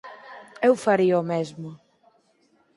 Eu faría o mesmo.